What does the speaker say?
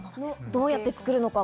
どうやって作るのか、